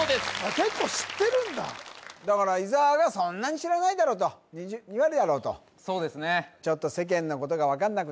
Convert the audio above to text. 結構知ってるんだだから伊沢がそんなに知らないだろと２割だろうとそうですね